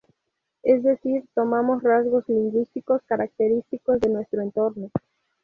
Es decir, tomamos rasgos lingüísticos característicos de nuestro entorno.